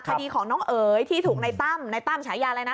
คดีของน้องเอ๋ยที่ถูกในตั้มในตั้มฉายาอะไรนะ